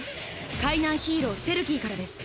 海難ヒーローセルキーからです。